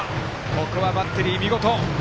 ここはバッテリー、見事！